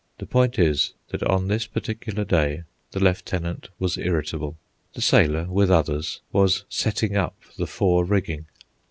The point is, that on this particular day the lieutenant was irritable. The sailor, with others, was "setting up" the fore rigging.